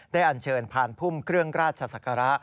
อันเชิญพานพุ่มเครื่องราชศักระ